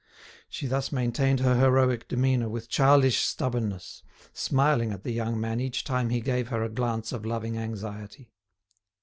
She thus maintained her heroic demeanour with childish stubbornness, smiling at the young man each time he gave her a glance of loving anxiety.